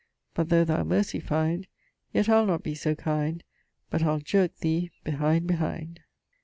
But though thou mercy find Yet I'le not be so kind But I'le jerke thee behind, behind.'